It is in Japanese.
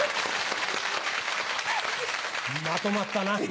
まとまったな。